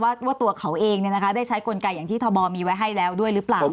ว่าตัวเขาเองได้ใช้กลไกอย่างที่ทบมีไว้ให้แล้วด้วยหรือเปล่า